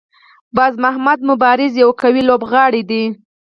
باز محمد مبارز یو قوي لوبغاړی دی.